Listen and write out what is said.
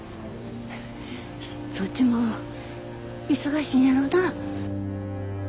そっちも忙しいんやろなぁ。